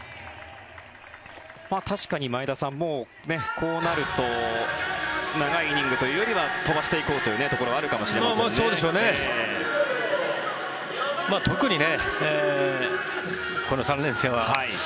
確かに前田さん、こうなると長いイニングというよりは飛ばしていこうというところがあるかもしれませんね。